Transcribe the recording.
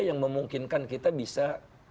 yang memungkinkan kita bisa